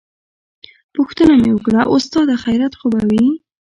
پوښتنه مې وکړه استاده خيريت خو به وي.